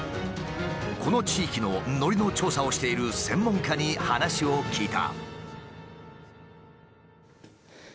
この地域ののりの調査をしている専門家に話を聞いた。